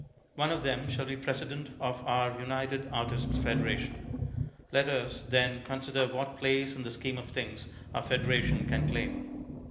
One of them shall be President of our United Artists' Federation. Let us, then, consider what place in the scheme of things our federation can claim.